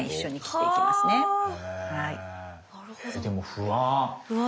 でも不安。